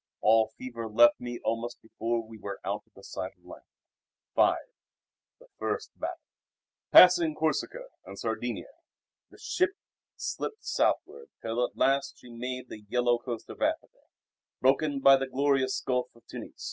All fever left me almost before we were out of sight of land." V The First Battle Passing Corsica and Sardinia, the ship slipped southward till at last she made the yellow coast of Africa, broken by the glorious Gulf of Tunis.